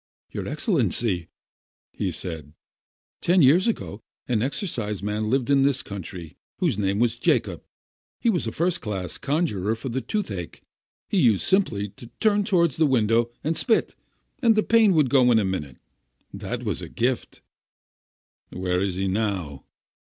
"Your Excellency," said he, "ten years ago an ex ciseman lived in this county whose name was Jacob. He was a first class conjuror for the toothache. He used simply to turn toward the window and spit, and the pain would go in a minute. That was his gift." "Where is he now?"